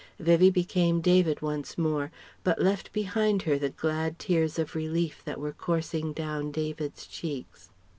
Vivie became David once more, but left behind her the glad tears of relief that were coursing down David's cheeks.